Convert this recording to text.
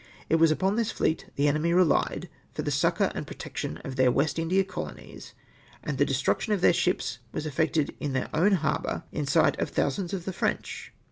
It was upon this fleet the enemy relied for the succom and protection of their West India colonies, and the destruction of tJteir sJtips was effected in their oivn harbour, in sight of thousands of the French.